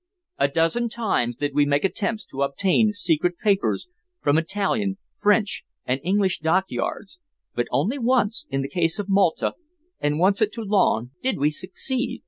A dozen times did we make attempts to obtain secret papers from Italian, French and English dockyards, but only once in the case of Malta and once at Toulon did we succeed.